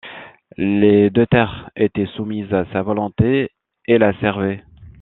Les Deux Terres étaient soumises à sa volonté et la servaient.